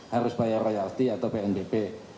harus bayar royalti atau pnbp